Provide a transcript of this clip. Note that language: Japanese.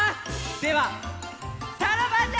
ではさらばじゃ！